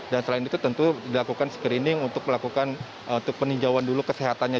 dan selain itu tentu dilakukan screening untuk melakukan peninjauan dulu kesehatannya